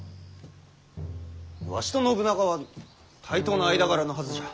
わしと信長は対等な間柄のはずじゃ。